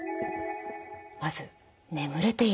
まず「眠れているか？」